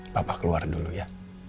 papa keluar dulu ya